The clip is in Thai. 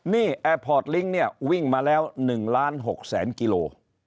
นี่แอร์พอร์ตลิงค์เนี่ยวิ่งมาแล้ว๑ล้าน๖แสนกิโล